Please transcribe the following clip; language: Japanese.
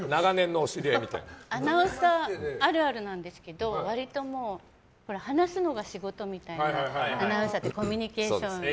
アナウンサーあるあるなんですけど割と話すのが仕事みたいなアナウンサーってコミュニケーション。